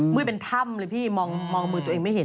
เป็นถ้ำเลยพี่มองมือตัวเองไม่เห็น